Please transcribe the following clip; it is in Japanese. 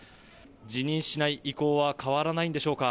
辞任しない意向は変わらないんでしょうか。